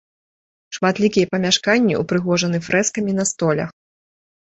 Шматлікія памяшканні ўпрыгожаны фрэскамі на столях.